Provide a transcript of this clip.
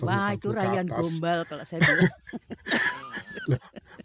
wah itu rayan gombal kalau saya bilang